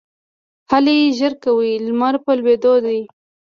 هلئ ژر کوئ ! لمر په لوېدو دی